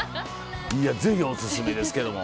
ぜひオススメですけども。